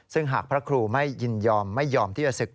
ซึ่งหากพระครูไม่ยินยอมไม่ยอมที่จะศึก